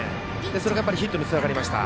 それがヒットにつながりました。